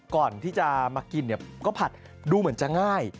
ก่อนที่จะมากินก็ผัดดูเหมือนจะง่าย